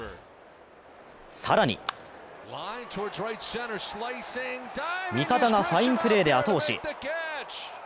更に味方がファインプレーで後押し。